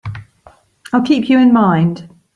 I'll keep you in mind.